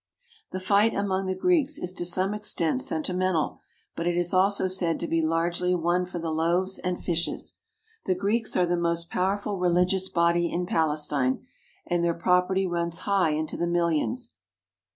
The fight among the Greeks is to some extent senti mental, but it is also said to be largely one for the loaves and fishes. The Greeks are the most powerful religious body in Palestine, and their property runs high into the millions.